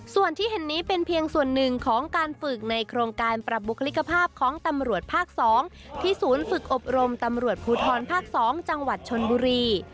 ส่วนที่เห็นนี้เป็นเพียงส่วนหนึ่งของการฝึกในโครงการปรับบุคลิกภาพของตำรวจภาค๒ที่ศูนย์ฝึกอบรมตำรวจภูทรภาค๒จังหวัดชนบุรี